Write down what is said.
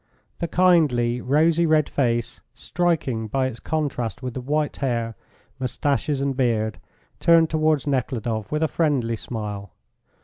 The kindly, rosy red face, striking by its contrast with the white hair, moustaches, and beard, turned towards Nekhludoff with a friendly smile.